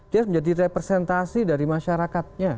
dia menjadi representasi dari masyarakatnya